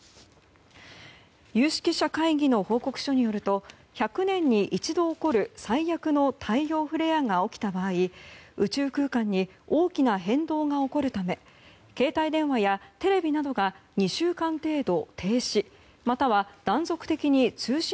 有識者会議の報告書によると１００年に一度起こる最悪の太陽フレアが起きた場合宇宙空間に大きな変動が起こるため携帯電話やテレビなどが２週間程度